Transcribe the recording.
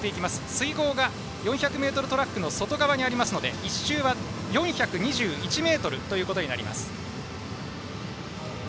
水濠が４００ｍトラックの外側にありますので１周は４２１ｍとなります。